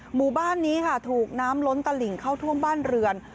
หมู่บ้านนี้ค่ะถูกน้ำล้นตลิ่งเข้าท่วมบ้านเรือน